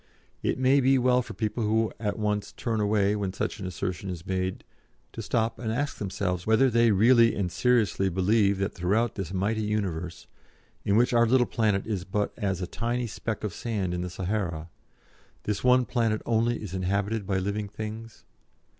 It may be well for people who at once turn away when such an assertion is made to stop and ask themselves whether they really and seriously believe that throughout this mighty universe, in which our little planet is but as a tiny speck of sand in the Sahara, this one planet only is inhabited by living things?